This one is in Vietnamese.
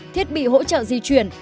thiết bị hỗ trợ di chuyển